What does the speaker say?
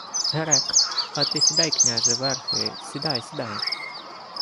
— Грек. А ти сідай, княже, верхи, сідай, сідай!